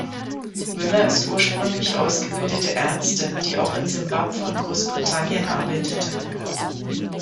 Müller ist ursprünglich ausgebildete Ärztin, die auch in Zimbabwe und Großbritannien arbeitete.